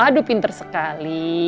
aduh pinter sekali